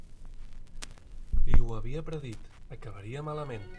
Li ho havia predit: acabaria malament.